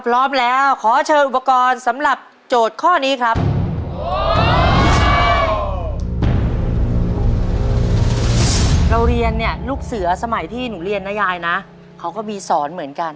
เราเรียนลูกเสือสมัยที่หนุนเรียนนายงก็มีสอนเหมือนกัน